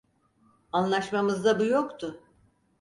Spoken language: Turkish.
Anlaşmamızda bu yoktu.